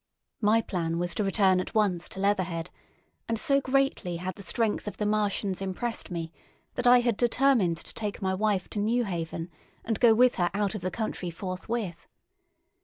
My plan was to return at once to Leatherhead; and so greatly had the strength of the Martians impressed me that I had determined to take my wife to Newhaven, and go with her out of the country forthwith.